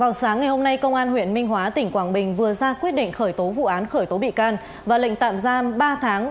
vào sáng ngày hôm nay công an huyện minh hóa tỉnh quảng bình vừa ra quyết định khởi tố vụ án khởi tố bị can và lệnh tạm giam ba tháng